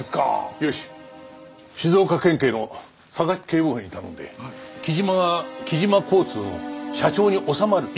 よし静岡県警の佐々木警部補に頼んで木島が木島交通の社長に納まる以前の事を調べてもらうぞ。